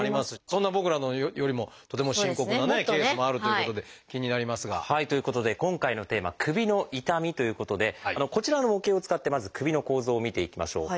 そんな僕らよりもとても深刻なケースもあるということで気になりますが。ということで今回のテーマ「首の痛み」ということでこちらの模型を使ってまず首の構造を見ていきましょう。